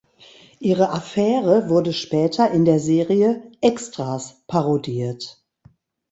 Ihre Affäre wurde später in der Serie "Extras" parodiert.